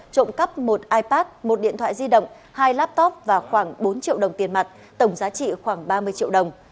trộm cắp một ipad một điện thoại di động hai laptop và khoảng bốn triệu đồng tiền mặt tổng giá trị khoảng ba mươi triệu đồng